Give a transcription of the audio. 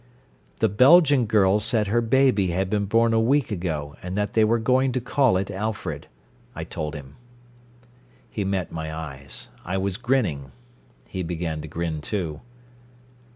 "The Belgian girl said her baby had been born a week ago, and that they were going to call it Alfred," I told him. He met my eyes. I was grinning. He began to grin, too.